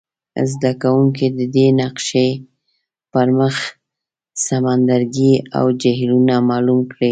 زده کوونکي دې د نقشي پر مخ سمندرګي او جهیلونه معلوم کړي.